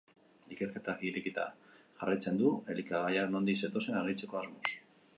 Ikerketak irekita jarraitzen du elikagaiak nondik zetozen argitzeko asmoz.